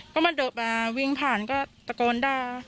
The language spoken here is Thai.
ก็มาวิ่งผ่านก็ตะโกนด่า